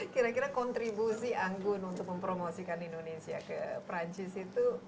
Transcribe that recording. kira kira kontribusi anggun untuk mempromosikan indonesia ke perancis itu